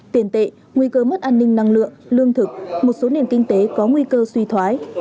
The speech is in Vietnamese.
tiền tệ nguy cơ mất an ninh năng lượng lương thực một số nền kinh tế có nguy cơ suy thoái